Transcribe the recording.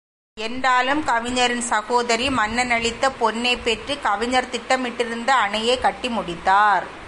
என்றாலும், கவிஞரின் சகோதரி, மன்னன் அளித்த பொன்னைப் பெற்றுக் கவிஞர் திட்டமிட்டிருந்த அணையைக் கட்டி முடித்தார்.